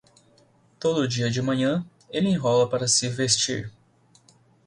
Todo dia de manhã ele enrola para se vestir.